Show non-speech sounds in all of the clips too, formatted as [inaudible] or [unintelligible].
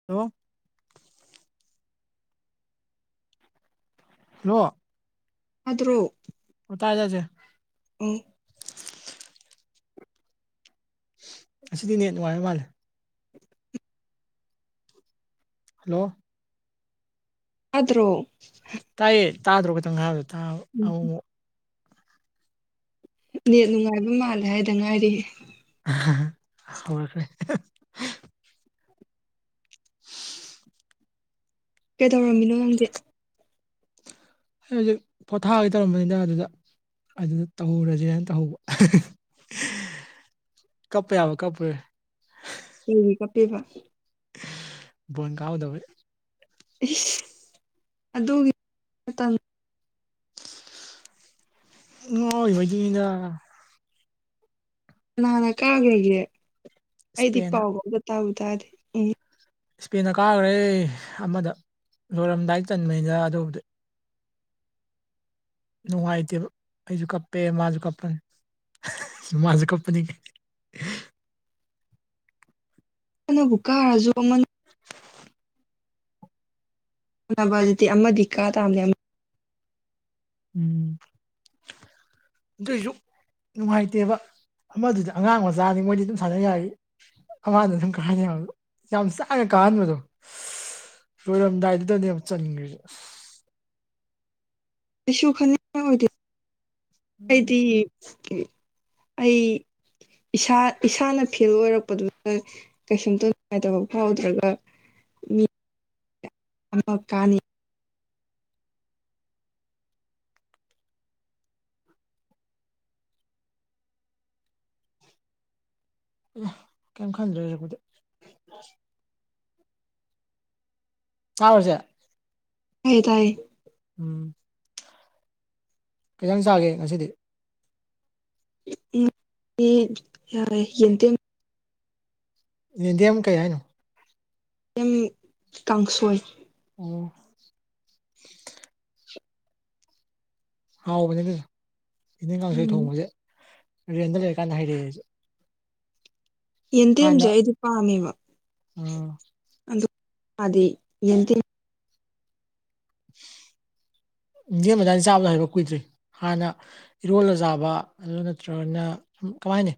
[unintelligible] ꯍ꯭ꯂꯣ ꯑꯥꯗꯗ꯭ꯔꯣ ꯎꯝ ꯇꯥꯏ-ꯇꯥꯏ ꯆꯦ ꯑꯦ ꯑꯁꯤꯗꯤ ꯅꯦ ꯅꯨꯡꯉꯥꯏꯔ ꯃꯥꯜꯂꯦ [unintelligible] ꯍꯜꯂꯣ [unintelligible] ꯇꯥꯏꯌꯦ ꯇꯥꯗ꯭ꯔꯣ ꯈꯤꯇꯪ ꯍꯥꯏꯕꯗꯣ ꯇꯨꯛ ꯅ ꯅꯨꯡꯉꯥꯏꯕ ꯃꯥꯜꯂꯦ ꯍꯥꯏꯗꯅ ꯉꯥꯏꯔꯤ ꯍꯁꯦ [unintelligible] ꯀꯩ ꯇꯧꯔꯝꯃꯤꯅꯣ ꯅꯪꯁꯦ ꯑꯩ ꯍꯧꯖꯤꯛ ꯄꯣꯊꯥꯒꯦ ꯇꯧꯔꯝꯕꯅꯤꯗ ꯑꯗꯨꯗ ꯑꯗꯨꯗ ꯇꯧꯍꯧꯨꯔꯁ ꯍꯥꯏꯅ ꯇꯧꯍꯧꯕ ꯀꯞꯄ ꯌꯥꯕ ꯀꯞꯄ ꯀꯄꯤꯕ ꯕꯣꯟ ꯀꯥꯎꯗꯕ ꯑꯗꯨꯒꯤ [unintelligible] ꯀꯅꯥꯅ ꯀꯥꯈ꯭ꯔꯒꯦ ꯑꯩꯗꯤ ꯏꯁꯄꯦꯟꯅ ꯄꯥꯎ ꯐꯥꯎꯗ ꯇꯥꯕ ꯇꯥꯗꯦ ꯎꯝ ꯏꯁꯄꯦꯟꯗ ꯀꯥꯈ꯭ꯔꯦ ꯑꯃꯗ ꯂꯣꯏꯔꯝꯗꯥꯏꯗ ꯆꯟꯕꯅꯤꯅ ꯑꯗꯨꯕꯨꯗꯤ ꯅꯨꯡꯉꯥꯏꯇꯦꯕ ꯑꯩꯁꯨ ꯀꯞꯄꯦ ꯃꯥꯁꯨ ꯀꯞꯄꯅꯤ ꯃꯥꯁꯨ ꯀꯞꯄꯅꯤ ꯀꯅꯕꯨꯛꯀꯥꯔꯁꯨ ꯑꯃ ꯁꯥꯟꯅꯕ ꯍꯧꯖꯤꯛꯇꯤ ꯑꯃꯗꯤ ꯀꯥ ꯇꯥꯝꯂꯦ ꯎꯝ ꯑꯁꯨ ꯅꯨꯡꯉꯥꯏꯇꯦꯕ ꯑꯃꯗꯨꯗꯤ ꯑꯉꯥꯡ ꯃꯆꯥꯅꯤ ꯃꯣꯏꯗꯤ ꯑꯗꯨꯝ ꯁꯥꯟꯅ ꯌꯥꯏ ꯑꯃꯗ ꯑꯗꯨꯝ ꯀꯥꯍꯟꯅꯤ ꯌꯥꯝ ꯆꯥꯡꯅ ꯀꯥꯍꯟꯕꯗꯣ ꯂꯣꯏꯔꯝꯗꯥꯏꯗꯨꯗꯅꯤ ꯌꯥꯝ ꯆꯪꯅꯤꯡꯈ꯭ꯔꯁꯦ ꯀꯩꯁꯨ ꯈꯅꯤꯡꯉꯥꯏ ꯑꯣꯏꯗꯦ ꯎꯝ ꯑꯩꯗꯤ ꯑꯩ ꯏꯁꯥ ꯏꯁꯥꯅ ꯐꯦꯜ ꯑꯣꯏꯔꯛꯄꯗꯨꯗ ꯀꯩꯁꯨꯝꯇ ꯅꯨꯡꯉꯥꯏꯇꯕ ꯐꯥꯎꯗ꯭ꯔꯒ ꯃꯤ ꯀꯅꯤ ꯀꯩꯝ ꯈꯟꯗ꯭ꯔꯦꯖꯤꯛꯄꯗꯤ ꯆꯥꯕꯔꯖ ꯇꯥꯏꯌꯦ ꯇꯥꯏ ꯎꯝ ꯈꯤꯇꯪ ꯆꯥꯒꯦ ꯉꯁꯤꯗꯤ ꯎꯝ ꯌꯥꯔ ꯌꯦꯇꯦ ꯌꯦꯗꯤ ꯑꯃ ꯀꯩ ꯍꯥꯏꯅꯣ ꯌꯥꯝ ꯀꯥꯡꯁꯣꯏ ꯑꯣ ꯍꯥꯎꯕꯅꯤ ꯑꯗꯨꯁꯨ ꯏꯅꯦ ꯀꯥꯡꯁꯣꯏ ꯎꯝ ꯊꯣꯡꯕꯁꯦ ꯔꯦꯟꯗ ꯂꯩꯔꯀꯥꯟꯗ ꯍꯩꯔꯛꯑꯦꯁꯦ ꯌꯦꯟꯗꯦꯝꯁꯦ ꯑꯩꯗꯤ ꯄꯥꯥꯝꯃꯤꯕ ꯑꯣ ꯑꯗꯨꯗꯦ ꯌꯦ [unintelligible] ꯌꯦꯟꯕꯅꯤ ꯆꯥꯕꯗ ꯍꯥꯏꯕ ꯀꯨꯏꯗ꯭ꯔꯤ ꯍꯥꯟꯅ ꯏꯔꯣꯜꯂꯖꯥꯕ ꯑꯗꯨ ꯅꯠꯇ꯭ꯔꯒꯅ ꯁꯨꯝ ꯀꯃꯥꯏꯅꯤ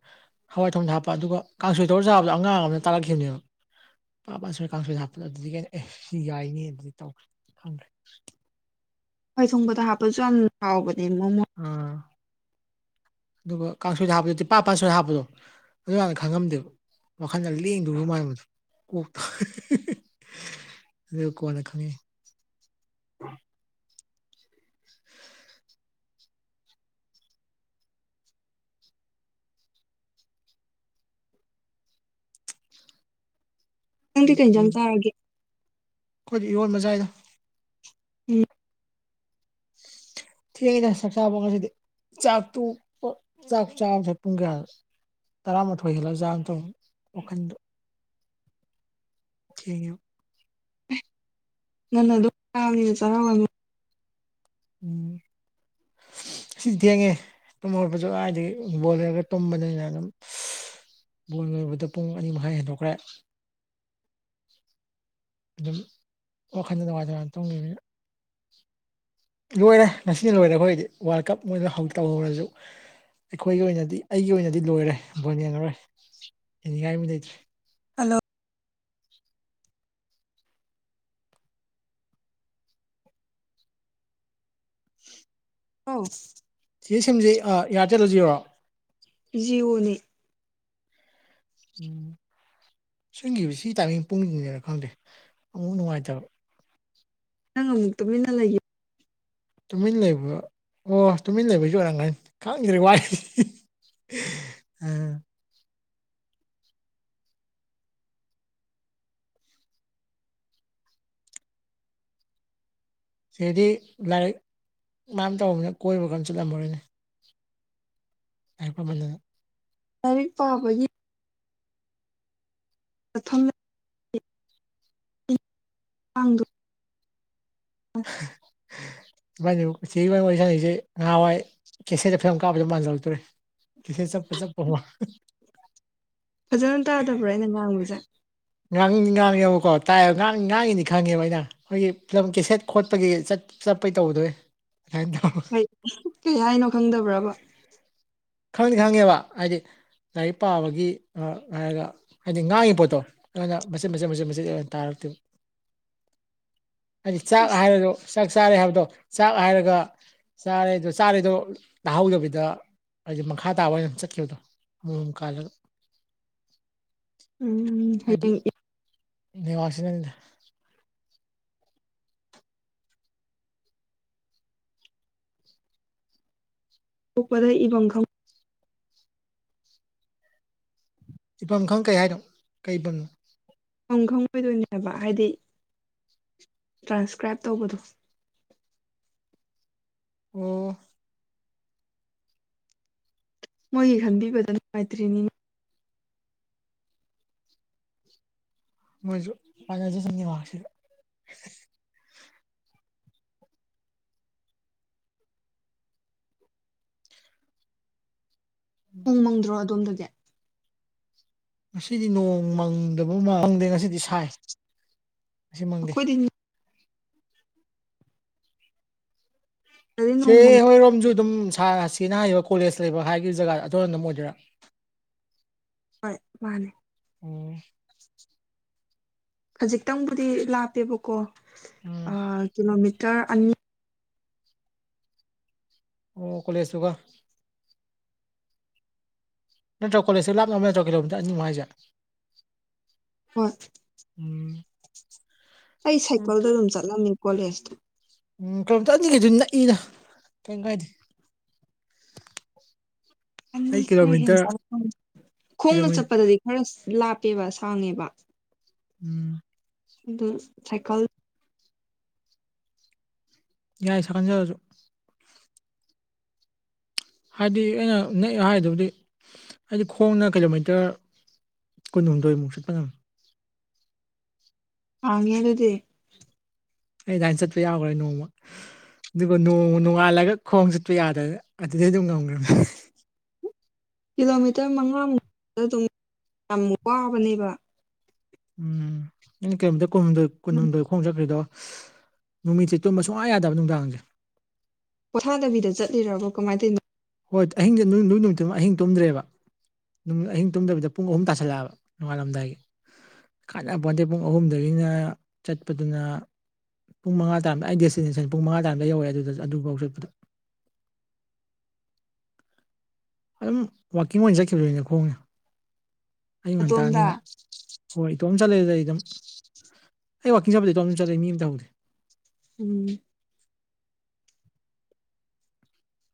ꯍꯋꯥꯏ ꯊꯣꯡ ꯍꯥꯞꯄ ꯑꯗꯨꯒ ꯀꯥꯡꯁꯣꯏ ꯇꯧꯔ ꯆꯥꯕꯗꯣ ꯑꯉꯥꯡ ꯑꯃꯅ ꯇꯥꯂꯛꯈꯤꯕꯅꯦꯕ ꯄꯥꯁꯣꯏ ꯀꯥꯡꯁꯣꯏꯗ ꯍꯥꯞꯄꯗ ꯑꯗꯨꯗꯤ ꯀꯩꯅꯣ ꯑꯦ ꯁꯤ ꯌꯥꯏꯅꯤ ꯑꯗꯨꯗꯤ ꯇꯧꯔꯦ ꯈꯪꯈ꯭ꯔꯦ ꯍꯣꯏ ꯊꯣꯡꯕꯗ ꯍꯥꯞꯄꯁꯨ ꯌꯥꯝ ꯍꯥꯎꯕꯅꯦ ꯃꯣꯃꯣ ꯎꯥ ꯑꯗꯨꯒ ꯀꯥꯡꯁꯣꯏꯗ ꯍꯥꯞꯄꯗꯣ ꯇꯤꯄꯥꯥꯟ ꯁꯣꯏꯗ ꯍꯥꯞꯄꯗꯣ ꯑꯗꯨ ꯌꯥꯝꯥꯟꯅ ꯈꯪꯉꯝꯗꯦꯕ ꯋꯥꯈꯜꯗ ꯂꯦꯡꯗꯕ ꯃꯗ ꯀꯣꯛꯇ ꯑꯗꯨ ꯀꯣꯟꯅ ꯈꯥꯪꯉꯛ ꯅꯪꯗꯤ ꯀꯩ ꯍꯤꯟꯖꯥꯡ ꯆꯥꯔꯒꯦ ꯑꯩꯈꯣꯏꯗꯤ ꯏꯔꯣꯟꯕ ꯆꯥꯏ ꯎꯝ ꯇꯣꯛꯑꯦꯗꯥ ꯆꯥꯛ ꯆꯥꯕꯗꯤ ꯆꯥꯛ ꯇꯣꯛꯄꯥ ꯆꯥꯛ ꯆꯥꯕꯗꯥ ꯄꯨꯡ ꯀꯌꯥ ꯇꯔꯥꯃꯥꯊꯣꯏ ꯍꯦꯜꯂ ꯆꯥꯕ ꯗꯣ ꯋꯥꯈꯟ [unintelligible] ꯅꯪꯟꯅ ꯑꯗꯨꯝ [unintelligible] ꯎꯝ ꯑꯁ ꯊꯦꯡꯉꯦ ꯇꯨꯝ ꯍꯧꯒꯠꯄꯁꯨ ꯀꯥꯗꯏꯗꯒꯤ ꯕꯣꯜ ꯌꯦꯡꯉꯒꯥ ꯇꯨꯝꯕꯅꯤꯅ ꯑꯗꯨꯝ ꯕꯣꯜ ꯌꯦꯡꯕꯗ ꯄꯨꯡ ꯑꯅꯤ ꯃꯈꯥꯏ ꯍꯦꯟꯗꯣꯛꯈ꯭ꯔꯦ ꯑꯗꯨꯝ ꯋꯥꯈꯟꯗ ꯅꯨꯡꯉꯥꯏꯇꯥꯅ ꯇꯨꯝꯒꯤꯕ ꯂꯣꯏꯔꯦ ꯉꯁꯤꯅ ꯂꯣꯏꯔꯦ ꯑꯩꯈꯣꯏꯗꯤ ꯋꯥꯔꯜ ꯀꯞ ꯃꯣꯏꯗ ꯍꯧ ꯇꯧꯍꯧꯔꯁꯨ ꯑꯩꯈꯣꯏꯒꯤ ꯑꯣꯏꯅꯗꯤ ꯑꯩꯒꯤ ꯑꯣꯏꯅꯗꯤ ꯂꯣꯏꯔꯦ ꯕꯣꯟ ꯌꯦꯡꯉꯔꯣꯏ ꯌꯦꯅꯤꯡꯉꯥꯏ ꯑꯃ ꯂꯩꯇ꯭ꯔꯦ [unintelligible] [unintelligible] [unintelligible] ꯆꯦ ꯁꯤꯝꯁꯤ ꯑꯦꯌꯥꯔꯇꯦꯜꯂꯣ ꯖꯤꯌꯣꯔꯣ ꯕꯤꯖꯤ ꯑꯣꯏ ꯎꯝ [unintelligible] ꯁꯤ ꯇꯥꯏꯃꯤꯡ ꯄꯨꯡꯅꯤꯡꯁꯤꯅꯔꯥ ꯈꯪꯗꯦ ꯑꯃꯨꯛ ꯅꯨꯡꯉꯥꯏꯇꯕ ꯅꯪ ꯑꯃꯨꯛ ꯇꯨꯃꯤꯟꯅ [unintelligible] ꯇꯨꯃꯤꯟ ꯂꯩꯕ ꯑꯣ ꯇꯨꯃꯤꯟ ꯂꯩꯕꯁꯨ ꯑꯣꯏꯔꯝꯒꯅꯤ ꯈꯪꯗ꯭ꯔꯦ ꯋꯥꯏꯖꯦ ꯑ ꯁꯤꯗꯗꯤ ꯂꯥꯏꯔꯤꯛ ꯉꯥꯛ ꯇꯧꯕꯅꯤꯅ ꯀꯣꯏꯕꯒ ꯑꯝ ꯆꯠꯂꯝꯃꯔꯣꯏꯅꯦ [unintelligible] ꯂꯥꯏꯔꯤꯛ ꯄꯥꯕ ꯃꯥꯊꯪ [unintelligible] [unintelligible] [unintelligible] ꯆꯦ ꯏꯕꯥꯏ ꯋꯥꯔꯤ ꯁꯥꯅꯩꯁꯦ ꯅꯍꯥꯋꯥꯏ ꯀꯦꯁꯦꯠꯇ ꯐꯤꯂꯝ ꯀꯥꯞꯄꯗꯣ ꯃꯥꯟꯖꯜꯂꯛꯇꯧꯔꯦ ꯀꯦꯁꯦꯠ ꯆꯞꯄꯥ ꯆꯞꯄꯥꯀꯣ ꯐꯖꯅ ꯇꯥꯗꯕ꯭ꯔꯥ ꯑꯩꯅ ꯉꯥꯡꯕꯁꯦ ꯉꯥꯡꯉ ꯉꯥꯡꯉ ꯌꯦꯕꯀꯣ ꯇꯥꯏꯌꯦꯕ ꯉꯥꯡ ꯉꯥꯡꯉꯤꯅꯤ ꯈꯪꯉꯦꯕ ꯑꯩꯅ ꯑꯩꯈꯣꯏꯒꯤ ꯐꯤꯂꯝ ꯀꯦꯁꯦꯠ ꯈꯣꯠꯄꯒꯤ ꯆꯠ ꯆꯠꯄꯩ ꯇꯧꯕꯗꯣ ꯍꯦ [unintelligible] ꯀꯩ ꯀꯩ ꯍꯥꯏꯅꯣ ꯈꯪꯗꯕ꯭ꯔꯕ ꯈꯪꯅꯤ ꯈꯪꯉꯦꯕ ꯍꯥꯏꯗꯤ ꯂꯥꯏꯔꯤꯛ ꯄꯥꯕꯒꯤ ꯑ ꯍꯥꯏꯔꯒ ꯍꯥꯏꯗꯤ ꯉꯥꯡꯉꯤ ꯄꯣꯠꯇꯣ ꯑꯩꯅ ꯃꯆꯦꯠ ꯃꯆꯦꯠ ꯃꯆꯦꯠ ꯃꯆꯦꯠ ꯑꯣꯏꯅ ꯇꯥꯔꯛꯇꯦ ꯍꯥꯏꯗꯤ ꯆꯥꯛ ꯑꯁ ꯍꯥꯏꯔꯗ ꯆꯥꯛ ꯆꯥꯔꯦ ꯍꯥꯏꯕꯗꯣ ꯆꯥꯛ ꯍꯥꯏꯔꯒ ꯆꯥꯔꯦꯗꯣ ꯆꯥꯔꯦꯗꯣ ꯇꯥꯍꯧꯗꯕꯤꯗ ꯍꯥꯏꯗꯤ ꯃꯈꯥ ꯇꯥꯕ ꯑꯣꯏꯅ ꯆꯠꯈꯤꯕꯗꯣ ꯑꯃꯨꯛ ꯃꯨꯛ ꯀꯥꯜꯂꯒ ꯎꯝ ꯍꯥꯏꯗꯤ ꯍꯌꯦꯡ [unintelligible] ꯄꯣꯛꯄꯗ ꯏꯕꯝ ꯆꯐꯝ ꯈꯪ ꯀꯩ ꯍꯥꯏꯅꯣ ꯀꯩꯕ ꯏꯕꯝ ꯈꯪꯉꯣꯏꯗꯣꯏꯅꯦ ꯍꯥꯏꯕꯥ ꯍꯥꯏꯗꯤ ꯇ꯭ꯔꯥꯟꯁꯀ꯭ꯔꯥꯏꯞ ꯇꯧꯕꯗꯣ ꯑꯣ ꯃꯣꯏꯒꯤ ꯈꯟꯕꯤꯕꯗ ꯅꯨꯡꯉꯥꯏꯇ꯭ꯔꯤꯅꯤ ꯃꯣꯏꯖꯨ ꯄꯥꯖꯁꯥꯅꯤ ꯅꯦꯠꯋꯛꯁꯤꯗꯥ ꯅꯣꯡ ꯃꯪꯗ꯭ꯔꯣ ꯑꯗꯣꯝꯗꯤ ꯉꯁꯤꯗꯤ ꯅꯣꯡ ꯃꯪꯗꯕ ꯃꯪꯗꯦ ꯉꯁꯤꯗꯤ ꯁꯥꯏ ꯉꯁꯤ ꯃꯪꯗꯦ ꯑꯩꯈꯣꯏꯗꯤ ꯗꯗꯤ ꯅꯣꯡ ꯆꯦ ꯃꯪ ꯍꯣꯏꯔꯣꯝꯁꯨ ꯑꯗꯨꯝ ꯁꯥ ꯆꯦꯅ ꯍꯥꯏꯒꯤꯕꯥ ꯀꯣꯂꯦꯖ ꯂꯩꯕ ꯍꯥꯏꯒꯤ ꯖꯒꯥꯏ ꯑꯗꯨꯝ ꯑꯣꯏꯗꯣꯏꯔꯥ ꯍꯣꯏ ꯃꯥꯅꯤ ꯎꯝ ꯈꯖꯤꯛꯇꯪꯕꯨꯗꯤ ꯂꯥꯞꯄꯦꯕꯀꯣ ꯑ ꯎꯝ ꯀꯤꯂꯣꯃꯤꯇꯔ ꯑꯅꯤ ꯑꯣ ꯀꯣꯂꯦꯖꯇꯨꯒ ꯅꯠꯇ꯭ꯔ ꯀꯣꯂꯦꯖꯇ ꯂꯥꯞꯅꯕ ꯅꯠꯇ꯭ꯔ ꯀꯤꯂꯣꯃꯤꯇꯔ ꯑꯅꯤꯕ ꯍꯥꯏꯁꯦ ꯍꯣꯏ ꯎꯝ ꯑꯩ ꯁꯥꯏꯀꯜꯗ ꯀꯤꯂꯣꯃꯤꯇꯔ ꯑꯗꯨꯝ ꯆꯠꯂꯝꯃꯦ ꯀꯣꯂꯦꯖꯇꯣ ꯎꯝ ꯀꯩꯂꯣꯃꯤꯇꯔ ꯑꯅꯤꯒꯗꯨꯗꯤ ꯅꯛꯏꯅ ꯀꯩꯝ ꯀꯥꯏꯗꯦ [unintelligible] ꯑꯅꯤ ꯑꯩ ꯈꯔ ꯍꯦꯟ ꯀꯤꯂꯣꯃꯤꯇꯔ ꯆꯠꯂꯛꯄ ꯈꯣꯡꯅ ꯀꯤꯂꯣꯃꯤꯇꯔ ꯆꯠꯄꯗꯗꯤ ꯈꯔ ꯂꯥꯞꯄꯦꯕ ꯁꯥꯡꯉꯦꯕ ꯎꯝ ꯑꯗꯨ ꯁꯥꯏꯀꯜ ꯌꯥꯏ ꯁꯥꯡꯖꯔꯁꯨ ꯍꯥꯏꯗꯤ ꯑꯩꯅ ꯅꯦꯛ ꯍꯥꯏꯗꯨꯕꯨꯗꯤ ꯑꯩꯗꯤ ꯈꯣꯡꯅ ꯀꯤꯂꯣꯃꯤꯇꯔ ꯀꯨꯟꯍꯨꯝꯗꯣꯏꯃꯨꯛ ꯆꯠꯄ ꯉꯝꯃꯤ ꯄꯥꯝꯃꯤꯍꯦ ꯑꯗꯨꯗꯤ ꯑꯩ ꯑꯗꯏꯅ ꯆꯠꯄ ꯌꯥꯈ꯭ꯔꯦ ꯅꯣꯡꯃ ꯑꯗꯨꯒ ꯅꯣꯡ ꯅꯣꯡꯉꯥꯜꯂꯒ ꯈꯣꯡ ꯆꯠꯄ ꯌꯥꯗꯗꯅꯥ ꯑꯗꯨꯗꯩꯩ ꯑꯗꯨꯝ ꯉꯝꯈ꯭ꯔꯕꯅꯦ ꯀꯤꯂꯣꯃꯤꯇꯔ ꯃꯉꯥꯃꯨꯛꯇ ꯑꯗꯨꯝ ꯌꯥꯝ ꯋꯥꯕꯅꯦꯕ ꯎꯝ ꯑꯩꯗꯤ ꯀꯤꯂꯣꯃꯤꯇꯔ ꯀꯨꯟꯍꯨꯝꯗꯣꯏ ꯀꯨꯟꯍꯨꯝꯗꯣꯏ ꯈꯣꯡ ꯆꯠꯈꯔ꯭ꯤ ꯗꯣ ꯅꯨꯃꯤꯠꯁꯦ ꯇꯨꯝꯕ ꯁꯨꯡꯌꯥ ꯌꯥꯗꯕ ꯅꯨꯡꯗꯥꯡꯁꯦ ꯄꯣꯊꯥꯗꯕꯤꯗ ꯆꯠꯂꯤꯔꯕꯣ ꯀꯃꯥꯏꯅ ꯇꯩꯅꯣ ꯍꯣꯏ ꯑꯍꯤꯡꯗ ꯅꯣꯏ ꯅꯣꯏ ꯅꯨꯃꯤꯠꯇꯨꯃ ꯑꯍꯤꯡ ꯇꯨꯝꯗ꯭ꯔꯦꯕ ꯑꯗꯨꯝ ꯑꯍꯤꯡ ꯇꯨꯝꯗꯕꯤꯗ ꯄꯨꯡ ꯑꯍꯨꯝ ꯇꯥꯥꯁꯜꯂꯛꯑꯕ ꯅꯣꯡꯉꯥꯜꯂꯝꯗꯥꯏꯒꯤ ꯀꯟꯅꯥꯄꯣꯟꯇꯦ ꯄꯨꯡ ꯑꯍꯨꯝꯗꯒꯤꯅ ꯆꯠꯄꯗꯨꯅ ꯄꯨꯡ ꯃꯉꯥ ꯇꯔꯝꯗꯥꯏ ꯑꯩ ꯗꯁꯇꯅꯦꯁꯟ ꯄꯨꯡ ꯃꯉꯥ ꯇꯔꯝꯗꯥꯏ ꯌꯧꯋꯦ ꯑꯗꯨꯗ ꯑꯗꯨꯐꯥꯎ ꯆꯠꯄꯗ ꯑꯗꯨꯝ ꯋꯥꯛꯀꯤꯡ ꯑꯣꯏꯅ ꯆꯠꯈꯤꯕꯅꯦ ꯈꯣꯡꯅꯦꯦ ꯑꯌꯨꯛ ꯅꯇꯣꯝꯗ ꯉꯟꯇꯅꯤꯅ ꯍꯣꯏ ꯏꯇꯣꯝ ꯆꯠꯂꯦꯗ ꯑꯩ ꯑꯗꯨꯝ ꯑꯩ ꯋꯥꯛꯀꯤꯡ ꯆꯠꯄꯗ ꯏꯇꯣꯝ ꯑꯗꯨꯝ ꯆꯠꯂꯦ ꯃꯤ ꯑꯃꯝꯇꯍꯧꯗꯦ ꯎꯝ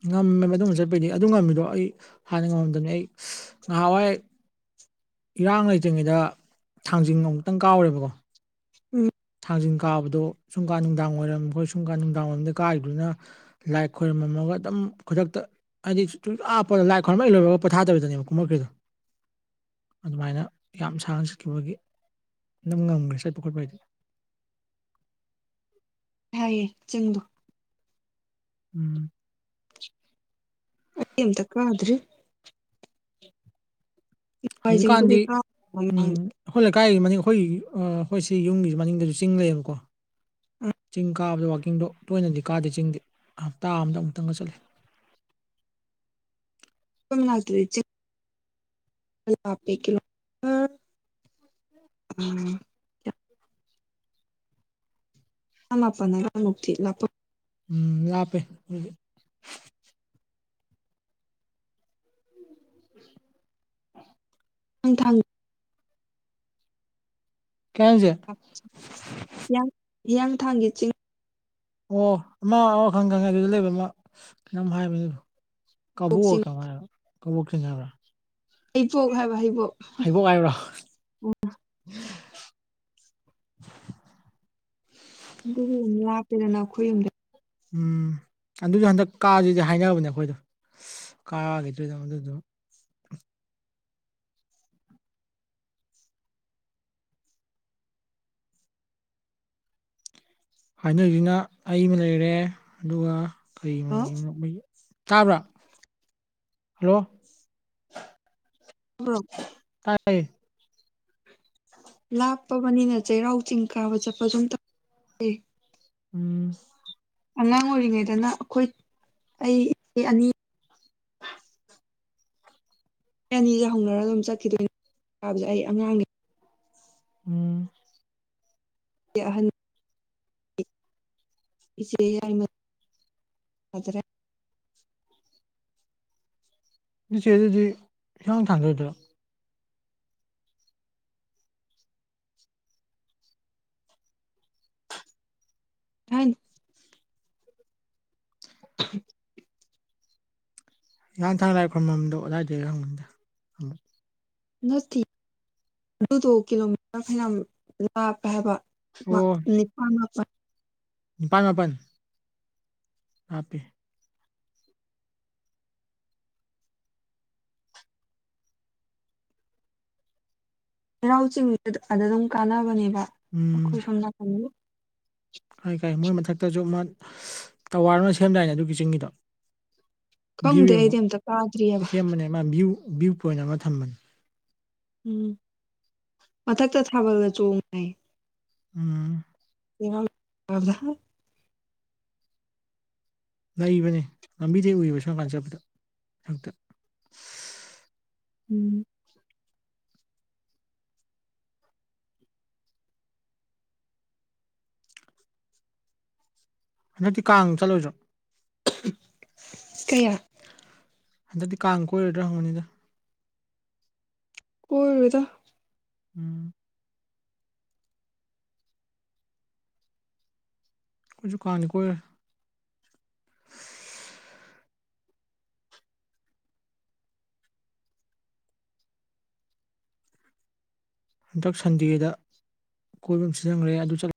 ꯉꯝꯃꯦꯕ ꯃꯗꯨꯝꯕ ꯆꯠꯄꯩꯗꯤ ꯑꯗꯨ ꯉꯝꯃꯤꯗꯣ ꯑꯩ ꯍꯥꯟꯅ ꯉꯝꯃꯝꯗꯕꯅꯤ ꯑꯩ ꯉꯥꯏꯍꯥꯟꯋꯥꯏ ꯏꯔꯥꯡ ꯂꯩꯇ꯭ꯔꯤꯉꯩꯗ ꯊꯥꯡꯖꯤꯡ ꯑꯃꯨꯛꯇꯪ ꯀꯥꯎꯔꯦꯕꯀꯣ ꯎꯝ ꯊꯥꯡꯖꯟ ꯀꯥꯕꯗꯣ ꯁꯨꯡꯀꯥ ꯅꯨꯡꯗꯥꯡ ꯋꯥꯏꯔꯝ ꯍꯣꯏ ꯁꯨꯡꯀꯥꯟ ꯅꯨꯡꯗꯥꯡ ꯋꯥꯏꯔꯝꯗ ꯀꯥꯒꯤꯕꯗꯨꯅ ꯂꯥꯏ ꯈꯣꯏꯔꯝꯃꯝꯃꯒ ꯑꯗꯨꯝ ꯈꯨꯗꯛꯇ ꯑꯩꯗꯤ ꯁꯨꯛꯞꯄ ꯂꯥꯏ ꯈꯣꯔꯔꯩ ꯂꯣꯏꯔꯒ ꯄꯊꯥꯗꯕꯤꯗꯅꯦ ꯀꯨꯝꯃꯃꯛꯈ꯭ꯔꯤꯗꯣ ꯑꯗꯨꯃꯥꯏꯅ ꯌꯥꯝ ꯁꯥꯡꯅ ꯆꯠꯈꯤꯕꯒꯤ ꯑꯗꯨꯝ ꯉꯝꯈ꯭ꯔꯦ ꯆꯠꯄ ꯈꯣꯠꯄ ꯍꯥꯏꯗꯤ ꯍꯥꯏꯌꯦ ꯆꯤꯡꯗꯣ ꯎꯝ ꯑꯩ ꯑꯝꯇ ꯀꯥꯗ꯭ꯔꯤ ꯋꯥꯏꯖꯤꯡꯕꯨꯗꯤ ꯍꯧꯖꯤꯛꯀꯥꯟꯗꯤ ꯀꯥ ꯃꯃꯥꯡꯗ ꯎꯝ ꯑꯩꯈꯣꯏ ꯂꯩꯀꯥꯏꯒꯤ ꯃꯅꯤꯡ ꯑꯩꯈꯣꯏꯒꯤ ꯑꯩꯈꯣꯏ ꯁꯤ ꯌꯨꯝꯒꯤꯁꯨ ꯃꯅꯤꯡꯗꯁꯨ ꯆꯤꯡ ꯂꯩꯌꯦꯕꯀꯣ ꯆꯤꯡ ꯀꯥꯕꯗ ꯋꯥꯋꯀꯤꯡꯗꯣ ꯇꯣꯏꯅꯗꯤ ꯀꯥꯗꯦ ꯆꯤꯡꯗꯤ ꯍꯞꯇꯥ ꯑꯃꯗ ꯑꯃꯨꯛꯇꯪꯒ ꯆꯠꯂꯤ ꯑꯩꯈꯧꯏ ꯃꯅꯥꯛꯇꯗꯤ ꯆꯤꯡ ꯂꯞꯄꯦ ꯀꯤꯂꯣꯃꯤꯇꯔ ꯑꯥ ꯅꯤꯄꯥꯟ ꯃꯄꯟ ꯑꯗꯋꯥꯏꯃꯨꯛꯇꯤ ꯂꯥꯞꯄꯝꯅꯤ ꯎꯝ ꯂꯥꯛꯄꯦ [unintelligible] ꯑꯪ ꯊꯥꯡ ꯀꯖ ꯍꯤꯌꯥꯡ ꯍꯤꯌꯥꯡꯊꯥꯡꯒꯤ ꯆꯤꯡ ꯑꯣ ꯑꯃ ꯑꯃꯈꯪ ꯈꯪꯉꯦ ꯑꯗꯨꯗ ꯂꯩꯕ ꯑꯃ ꯀꯩꯅꯣꯝ ꯍꯥꯏꯕꯅꯦꯕ ꯀꯕꯨꯣꯛ ꯆꯤꯡ ꯀꯃꯥꯏ ꯀꯕꯨꯣꯛꯁꯤꯡꯅ ꯍꯩꯕꯣꯛ ꯍꯥꯏꯕ ꯍꯩꯕꯣꯛ ꯍꯥꯏꯩꯕꯣꯛ ꯍꯥꯏꯕ꯭ꯔꯣ ꯑꯣ ꯑꯗꯨ ꯂꯞꯄꯦꯗꯅꯈꯣꯏ ꯌꯨꯝꯗ ꯎꯝ ꯑꯗꯨꯁꯨ ꯍꯟꯗꯛ ꯀꯥꯁꯤꯗꯤ ꯍꯥꯏꯔꯕꯅꯦ ꯑꯩꯈꯣꯏꯗꯣ ꯀꯥꯒꯤꯗꯣꯏꯗ ꯑꯗꯨꯗꯣ ꯍꯥꯏꯅꯔꯤꯁꯤꯅ ꯑꯩ ꯑꯃ ꯂꯩꯔꯦ ꯑꯗꯨꯒ ꯀꯩꯣꯒꯤ ꯇꯥꯕ꯭ꯔꯥ ꯍꯜꯂꯣ [unintelligible] [inaudible] ꯀꯥꯏ ꯂꯥꯞꯄꯕꯅꯤꯅ ꯆꯩꯔꯥꯎ ꯆꯤꯡ ꯀꯥꯕ ꯆꯠꯄ ꯁꯨꯝ ꯇꯧꯦ ꯎꯝ ꯑꯉꯥꯡ ꯑꯣꯏꯔꯤꯉꯩꯗꯅ ꯑꯩꯈꯣꯏ ꯑꯩ ꯑꯅꯤ ꯑꯅꯤꯒ ꯍꯧꯅꯔꯒ ꯑꯗꯨꯝ ꯆꯠꯈꯤꯗꯣꯏꯅꯤꯕꯁꯦ ꯑꯩ ꯑꯉꯥꯡꯅꯤ ꯎꯝ ꯑꯍꯟ ꯏꯆꯦ ꯌꯥꯗ꯭ꯔꯦ ꯏꯆꯦ ꯑꯗꯨꯗꯤ ꯍꯤꯁꯥꯡ ꯊꯥꯡꯗꯣꯏꯗ꯭ꯔꯣ ꯍꯥꯏ [inaudible] ꯅꯍꯥꯡ ꯊꯥꯡ ꯂꯥꯏꯔꯛꯄ ꯃꯔꯝꯣ ꯑꯗꯨ ꯑꯗꯥꯏꯗꯒꯤ ꯍꯪꯒꯟꯗ ꯅꯠꯇꯦ ꯑꯗꯨꯗꯣ ꯀꯤꯂꯣꯃꯤꯇꯔ ꯐꯅ ꯂꯥꯞꯄ ꯍꯥꯏꯕ ꯅꯤꯄꯥꯄ ꯄꯥꯥꯟ ꯃꯥꯄꯟ ꯍꯥꯄꯦ ꯆꯩꯔꯥꯎ ꯆꯤꯡꯗꯨ ꯑꯗ ꯑꯗꯨꯝ ꯀꯥꯟꯅꯕꯅꯦꯕ ꯎꯝ ꯑꯩꯈꯣꯏ ꯁꯣꯝ ꯅꯥꯀꯟꯗ ꯀꯥꯏ ꯀꯥꯏ ꯃꯣꯏ ꯃꯊꯛꯇꯁꯨ ꯑꯃ ꯇꯋꯥꯔ ꯑꯃ ꯁꯦꯝꯗꯥꯏꯅꯦ ꯑꯗꯨꯒꯤ ꯆꯤꯡꯒꯤꯗꯣ ꯚ꯭ꯌꯨ ꯈꯪꯗꯦ ꯌꯦꯡꯕ ꯑꯩꯗꯤ ꯑꯝꯇ ꯇꯥꯗ꯭ꯔꯤꯑꯕ ꯁꯦꯝꯕꯅꯦ ꯃꯥ ꯌꯨ ꯚꯌꯨ ꯄꯣꯏꯟꯠ ꯑꯅ ꯊꯝ ꯃꯅꯨꯡ ꯎꯝ ꯃꯊꯛꯇ ꯊꯥꯕꯜꯒ ꯆꯣꯡꯉꯩ ꯎꯝ ꯀ ꯂꯗ ꯂꯩꯕꯅꯦ ꯂꯝꯕꯤꯗꯩ ꯎꯏꯕ ꯁꯣꯝꯀꯥꯟ ꯆꯠꯄꯗ ꯍꯛꯇ ꯎꯝ ꯍꯟꯗꯛꯇꯤ ꯀꯥꯡ ꯆꯠꯂꯣꯏꯗ꯭ꯔꯣ? ꯀꯌꯥ? ꯍꯟꯗꯛꯇꯤ ꯀꯥꯡ ꯀꯣꯏꯔꯣꯏꯗ꯭ꯔꯥ ꯍꯪꯉꯕꯅꯤꯗꯅ꯫ ꯀꯣꯏꯔꯣꯏꯗ ꯎꯝ ꯑꯩꯖꯨ ꯀꯥꯡꯗꯤ ꯀꯣꯏꯔꯣꯏ꯫ ꯍꯟꯗꯛ ꯁꯟꯗꯦꯗ ꯀꯣꯏꯕ ꯑꯃ ꯁꯤꯟꯖꯟꯒ꯭ꯔꯦ ꯑꯗꯨ ꯆꯠꯂ